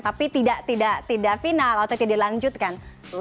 tapi tidak final atau tidak dilanjutkan